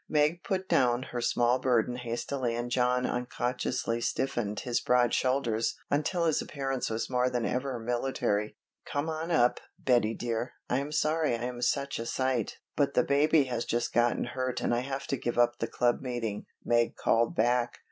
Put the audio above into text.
Meg put down her small burden hastily and John unconsciously stiffened his broad shoulders until his appearance was more than ever military. "Come on up, Betty dear, I am sorry I am such a sight, but the baby has just gotten hurt and I have to give up the club meeting," Meg called back.